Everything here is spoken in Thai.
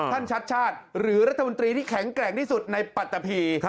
ชัดชาติหรือรัฐมนตรีที่แข็งแกร่งที่สุดในปัตตะพี